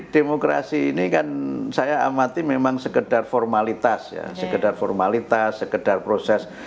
demokrasi ini kan saya amati memang sekedar formalitas ya sekedar formalitas sekedar proses